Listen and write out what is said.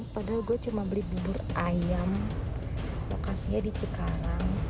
padahal gue cuma beli bubur ayam lokasinya di cikarang